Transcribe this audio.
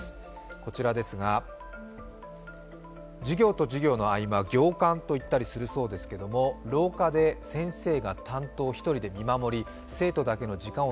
こちらですが、授業と授業の合間、業間と言ったりするそうですが廊下で先生が担当１人で見守り生徒だけの時間を